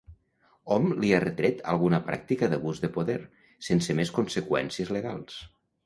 Hom li ha retret alguna pràctica d'abús de poder, sense més conseqüències legals.